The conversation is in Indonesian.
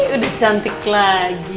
udah cantik lagi